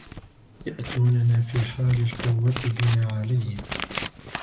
يَأْتُونَنَا فِي حَالِ الْقُوَّةِ بِنَا عَلَيْهِمْ